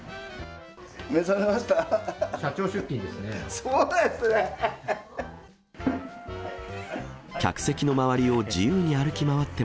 目覚めました。